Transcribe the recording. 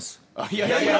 いやいやいや。